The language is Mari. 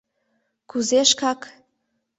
— Кузе шкак?